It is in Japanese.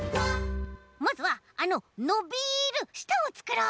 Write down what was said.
まずはあののびるしたをつくろう！